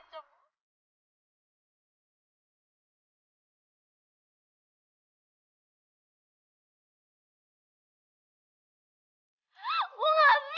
aku mau pergi kemana mana